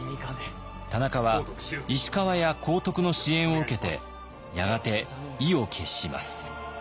田中は石川や幸徳の支援を受けてやがて意を決します。